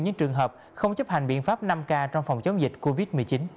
những trường hợp không chấp hành biện pháp năm k trong phòng chống dịch covid một mươi chín